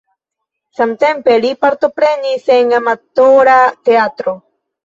Samtempe li partoprenis en amatora teatro.